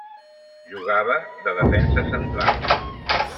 Jugava de defensa central.